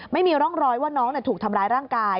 ไม่มีร่องรอยว่าน้องถูกทำร้ายร่างกาย